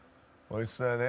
おいしそうやね。